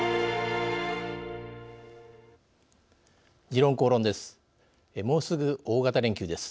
「時論公論」です。